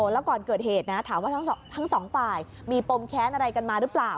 แล้วก่อนเกิดเหตุนะถามว่าทั้งสองฝ่ายมีปมแค้นอะไรกันมาหรือเปล่า